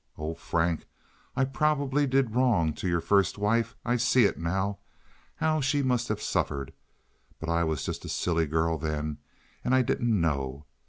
Oh, Frank, I probably did wrong to your first wife. I see it now—how she must have suffered! But I was just a silly girl then, and I didn't know.